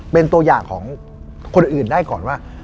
เป็นตัวอย่างของคนอื่นได้ก่อนว่า